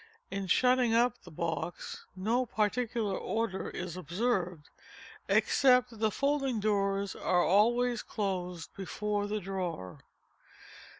In shutting up the box no particular order is observed, except that the folding doors are always closed before the drawer.